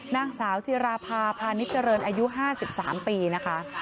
นางสาวจิราภาพาณิชเจริญอายุ๕๓ปีนะคะ